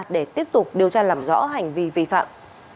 để tiếp tục điều tra làm rõ hành vi vi phạm